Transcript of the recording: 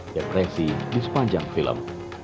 yang presi di sepanjang film